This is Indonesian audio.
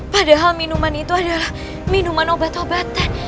padahal minuman itu adalah minuman obat obatan